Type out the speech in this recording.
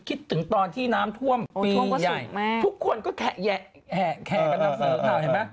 คิดถึงตอนที่น้ำท่วมพี่ใหญ่ทุกคนก็แขละแขกันนะเพราะฉะนั้นเห็นไหม